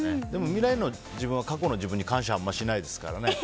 未来の自分は過去の自分に感謝をあまりしないですからね。